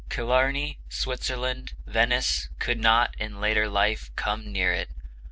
Killarney, Switzerland, Venice, could not, in later life, come near it.